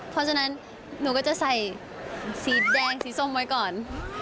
เพราะฉะนั้นหนูก็จะใส่สีแดงสีส้มไว้ก่อน